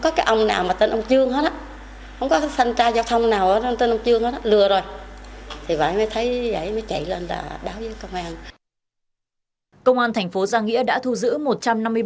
công an thành phố giang nghĩa đã thu giữ một trăm linh nông dân